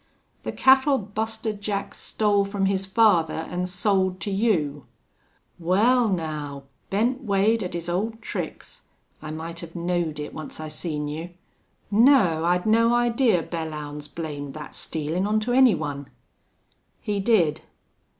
"The cattle Buster Jack stole from his father an' sold to you." "Wal, now! Bent Wade at his old tricks! I might have knowed it, once I seen you.... Naw, I'd no idee Belllounds blamed thet stealin' on to any one." "He did."